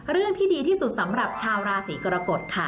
เรื่องที่ดีที่สุดสำหรับชาวราศีกรกฎค่ะ